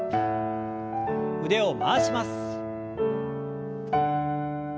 腕を回します。